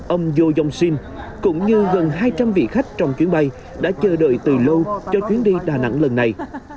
ông jo yong shin cũng như gần hai trăm linh vị khách trong chuyến bay đã chờ đợi từ lâu cho chuyến đi đà nẵng lần này